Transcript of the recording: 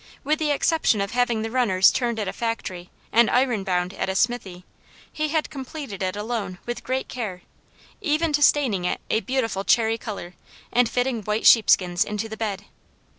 With the exception of having the runners turned at a factory and iron bound at a smithy, he had completed it alone with great care, even to staining it a beautiful cherry colour, and fitting white sheepskins into the bed.